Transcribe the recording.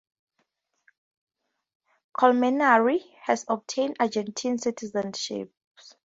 Colmenares has obtained Argentine citizenship.